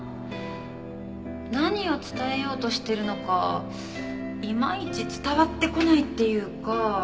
何を伝えようとしてるのかいまいち伝わってこないっていうか。